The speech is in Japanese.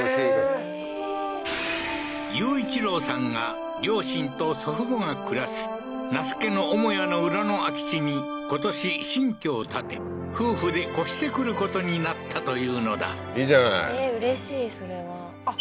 優一郎さんが両親と祖父母が暮らす那須家の母屋の裏の空き地に今年新居を建て夫婦で越してくることになったというのだいいじゃないえっ